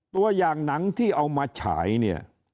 ตัวอย่างหนังที่เอามาฉายเนี่ย